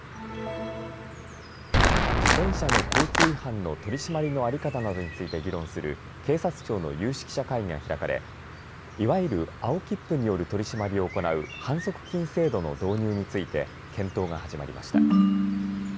自転車の交通違反の取締りの在り方などについて議論する警察庁の有識者会議が開かれいわゆる青切符による取締りを行う反則金制度の導入について検討が始まりました。